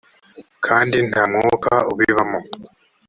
kandi nta mwuka ubibamo